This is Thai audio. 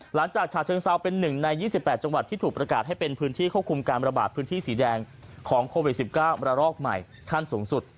ฉะเชิงเซาเป็น๑ใน๒๘จังหวัดที่ถูกประกาศให้เป็นพื้นที่ควบคุมการระบาดพื้นที่สีแดงของโควิด๑๙ระลอกใหม่ขั้นสูงสุด